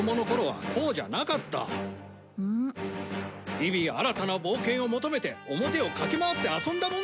日々新たな冒険を求めて表を駆け回って遊んだもんだ！